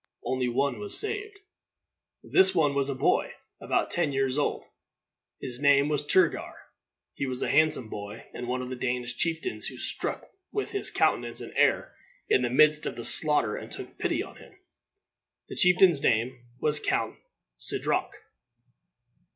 Only one was saved. This one was a boy, about ten years old. His name was Turgar. He was a handsome boy, and one of the Danish chieftains was struck with his countenance and air, in the midst of the slaughter, and took pity on him. The chieftain's name was Count Sidroc.